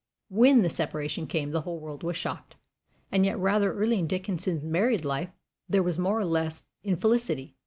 When the separation came the whole world was shocked. And yet rather early in Dickens's married life there was more or less infelicity.